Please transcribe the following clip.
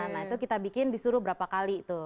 nah itu kita bikin disuruh berapa kali tuh